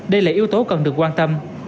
đây là yếu tố cần được quan tâm